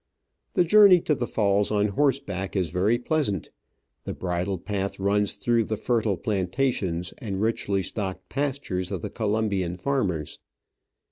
The journey to the falls on horseback is very pleasant. The bridle path runs through the fertile plantations and richly stocked pastures of the Colombian farmers.